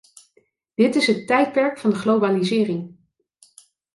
Dit is het tijdperk van de globalisering.